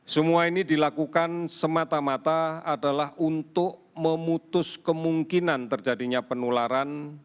semua ini dilakukan semata mata adalah untuk memutus kemungkinan terjadinya penularan